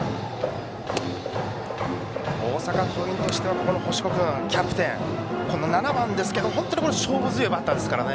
大阪桐蔭としては星子君キャプテン、７番ですけど本当に勝負強いバッターですから。